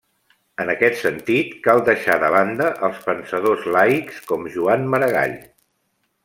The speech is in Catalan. En aquest sentit, cal deixar de banda els pensadors laics, com Joan Maragall.